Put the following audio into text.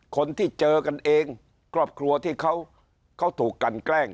คนที่เจอกันเองครอบครัวที่เขาถูกกันแกล้ง